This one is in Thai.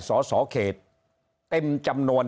สสเขตเต็มจำนวน